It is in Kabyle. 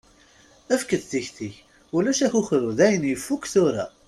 Efk-d tiktik, ulac akukru dayen yeffuk tura.